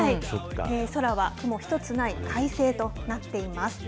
空は雲一つない快晴となっています。